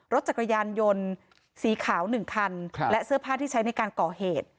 รถจักรยานยนต์สีขาว๑คันและเสื้อผ้าที่ใช้ในการก่อเหตุ